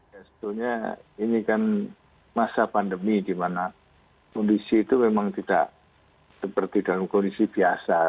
sebetulnya ini kan masa pandemi di mana kondisi itu memang tidak seperti dalam kondisi biasa